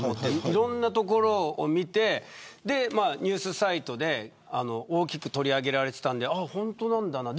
いろんなところを見てニュースサイトで大きく取り上げられていたので本当なんだなと。